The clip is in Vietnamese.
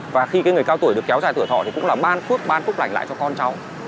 và khi cái người cao tuổi được kéo dài tuổi thọ thì cũng là ban phước ban phúc lạnh lại cho con cháu